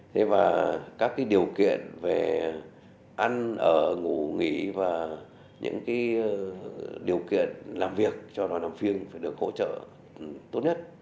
thế và các cái điều kiện về ăn ở ngủ nghỉ và những cái điều kiện làm việc cho đoàn làm phim phải được hỗ trợ tốt nhất